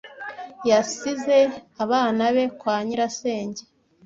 Yasize abana be kwa nyirasenge.